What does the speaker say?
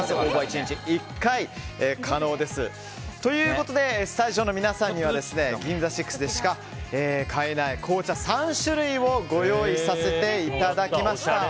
応募は１日１回可能です。ということでスタジオの皆さんにはＧＩＮＺＡＳＩＸでしか買えない紅茶３種類をご用意させていただきました。